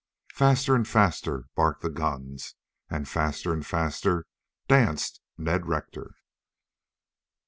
Faster and faster barked the guns, and faster and faster danced Ned Rector.